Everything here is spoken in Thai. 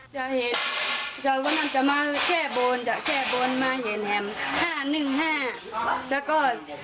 จะเห็นว่าเจ้ามันจะมาแก้บน๕๑๕แล้วก็๔๐๓